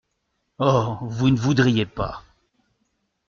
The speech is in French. Oh ! vous ne voudriez pas !